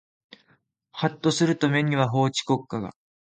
はっとすると目には法治国家が